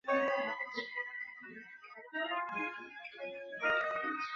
茄花香草为报春花科珍珠菜属的植物。